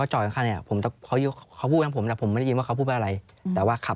จอบมาทางพื้น